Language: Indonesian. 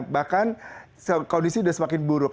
bahkan kondisi sudah semakin buruk